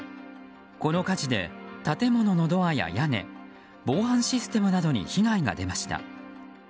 この火事で、建物のドアや屋根防犯システムなどに被害が出ました。